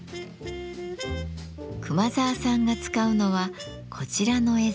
熊澤さんが使うのはこちらの絵皿。